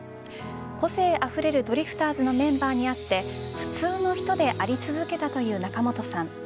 個性あふれるドリフターズのメンバーにあって普通の人であり続けたという仲本さん。